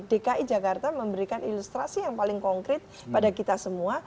dki jakarta memberikan ilustrasi yang paling konkret pada kita semua